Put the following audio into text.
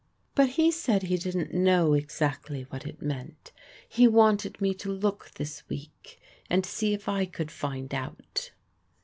"But he said he didn't know exactly what it meant. He wanted me to look this week and see if I could find out."